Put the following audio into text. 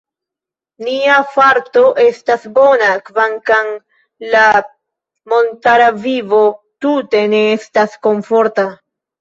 Nia farto estas bona, kvankam la montara vivo tute ne estas komforta.